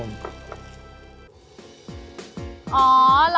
อาหาร